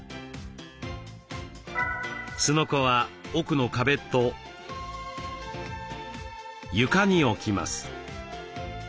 すのこは奥の壁と床に置きます。